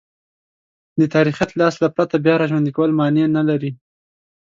د تاریخیت له اصله پرته بیاراژوندی کول مانع نه لري.